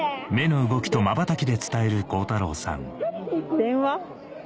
「電話」？